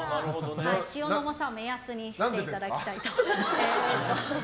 塩の重さを目安にしていただきたいと。